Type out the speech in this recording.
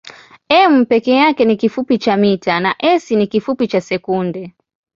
m peke yake ni kifupi cha mita na s ni kifupi cha sekunde.